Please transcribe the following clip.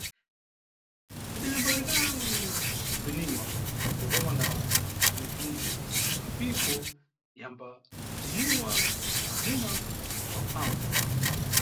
Lidayamba kalekale kubziniwa kuboma la Mwidhumbe, mapiko yambabziniwa na amuna wa mphambvu.